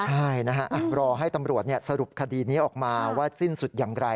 ใช่นะฮะรอให้ตำรวจสรุปคดีนี้ออกมาว่าสิ้นสุดอย่างไร